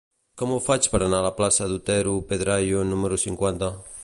Com ho faig per anar a la plaça d'Otero Pedrayo número cinquanta?